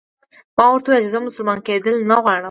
ما ورته وویل چې زه مسلمان کېدل نه غواړم.